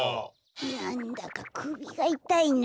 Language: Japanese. なんだかくびがいたいな。